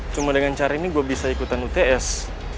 cuma dengan cara ini gue bisa ikutan uts